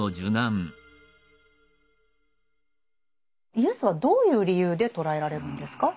イエスはどういう理由で捕らえられるんですか？